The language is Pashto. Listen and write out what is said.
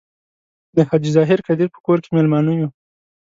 د حاجي ظاهر قدیر په کور کې میلمانه یو.